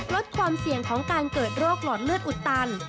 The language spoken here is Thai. ลดความเสี่ยงของการเกิดโรคหลอดเลือดอุดตัน